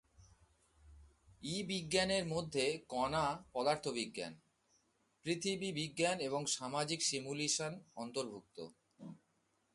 ই-বিজ্ঞানের মধ্যে কণা পদার্থবিজ্ঞান, পৃথিবী বিজ্ঞান এবং সামাজিক সিমুলেশন অন্তর্ভুক্ত।